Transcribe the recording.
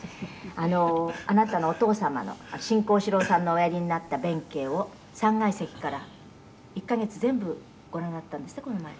「あなたのお父様の新幸四郎さんのおやりになった弁慶を３階席から１カ月全部ご覧になったんですってこの前」